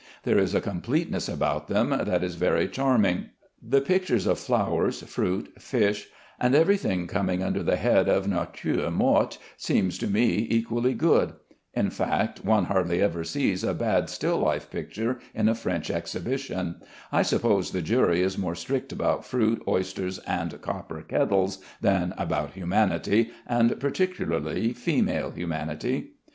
There is a completeness about them that is very charming. The pictures of flowers, fruit, fish, and every thing coming under the head of nature morte, seem to me equally good. In fact, one hardly ever sees a bad still life picture in a French exhibition. I suppose the jury is more strict about fruit, oysters, and copper kettles than about humanity, and particularly female humanity.